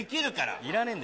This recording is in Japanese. いらねえんだよ。